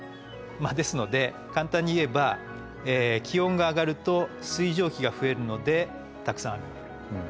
ですので簡単に言えば気温が上がると水蒸気が増えるのでたくさん雨が降る。